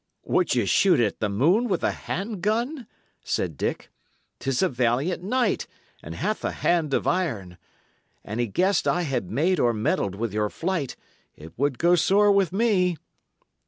"Would ye shoot at the moon with a hand gun?" said Dick. "'Tis a valiant knight, and hath a hand of iron. An he guessed I had made or meddled with your flight, it would go sore with me."